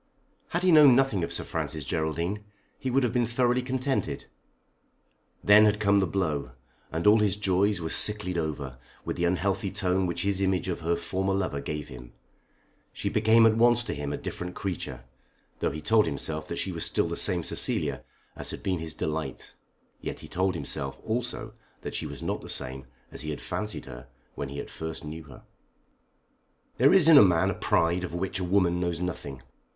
Had he known nothing of Sir Francis Geraldine he would have been thoroughly contented. Then had come the blow, and all his joys were "sicklied over" with the unhealthy tone which his image of her former lover gave him. She became at once to him a different creature. Though he told himself that she was still the same Cecilia as had been his delight, yet he told himself also that she was not the same as he had fancied her when he at first knew her. There is in a man a pride of which a woman knows nothing.